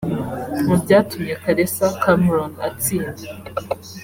Mu byatumye Caressa Cameron atsinda